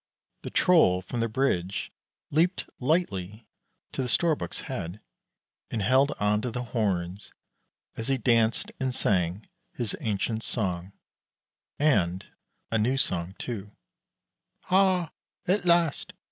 The Troll from the bridge leaped lightly to the Storbuk's head, and held on to the horns as he danced and sang his ancient song, and a new song, too: Ha! at last!